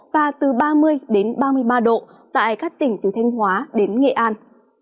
và từ ba mươi đến ba mươi ba độ tại các tỉnh từ thanh hóa đến nghệ an